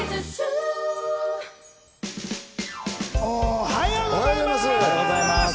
おはようございます。